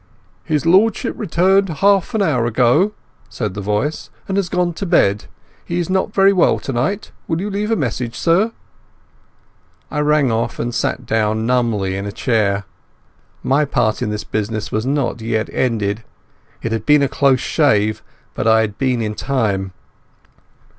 "His Lordship returned half an hour ago," said the voice, "and has gone to bed. He is not very well tonight. Will you leave a message, sir?" I rang off and almost tumbled into a chair. My part in this business was not yet ended. It had been a close shave, but I had been in time.